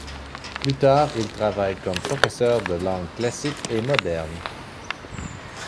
Plus tard il travaille comme professeur de langues classiques et modernes.